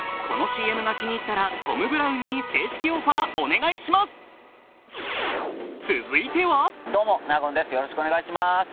このＣＭが気に入ったらトム・ブラウンに正式オファーお願いします！